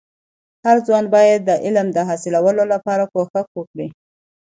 هرځوان باید د علم د حاصلولو لپاره کوښښ وکړي.